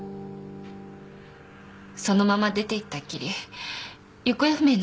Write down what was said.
そのまま出ていったっきり行方不明になってしまって。